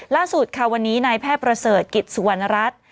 ล่าสุดค่ะวันนี้นายแพทย์ประเสริฐกิจสุวรรณรัฐ